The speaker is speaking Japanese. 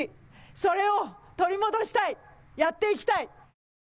それを取り戻したい、やっていきたい。